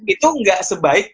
itu nggak sebaik